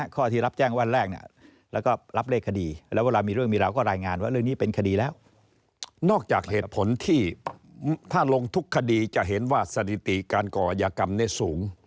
ก็จะไปลงย้อนหลัง